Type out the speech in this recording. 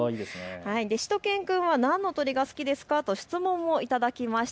しゅと犬くんは何の鳥が好きですかと質問も頂きました。